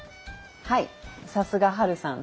はいさすがハルさん